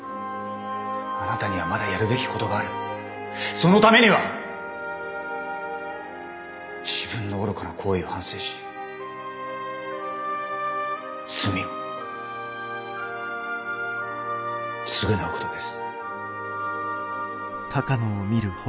そのためには自分の愚かな行為を反省し罪を償うことです。